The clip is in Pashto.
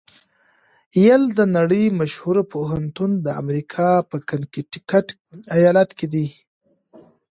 یل د نړۍ مشهوره پوهنتون د امریکا په کنېکټیکیټ ایالات کې ده.